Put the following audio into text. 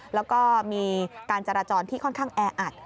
แล้วก็มีการจราจรที่ค่อนข้างแออัด